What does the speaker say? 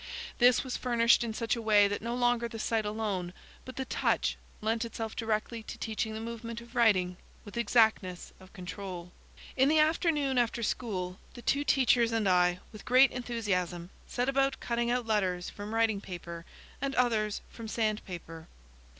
This was furnished in such a way that no longer the sight alone, but the touch, lent itself directly to teaching the movement of writing with exactness of control. In the afternoon after school, the two teachers and I, with great enthusiasm, set about cutting out letters from writing paper, and others from sandpaper.